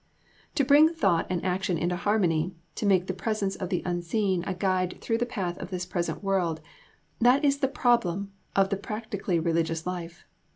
To bring thought and action into harmony, to make the presence of the Unseen a guide through the path of this present world: that is the problem of the practically religious life.